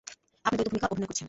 আপনি দ্বৈত ভূমিকা অভিনয় করছেন।